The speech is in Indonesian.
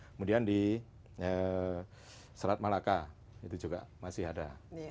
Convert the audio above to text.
kemudian di selat malaka itu juga masih ada